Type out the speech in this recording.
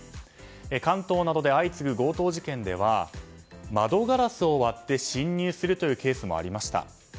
関東などで相次ぐ強盗事件では窓ガラスを割って侵入するというケースもありました。